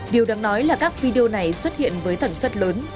điều đáng nói là các video này xuất hiện với thẩn xuất lớn